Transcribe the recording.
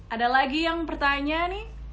ada lagi yang bertanya nih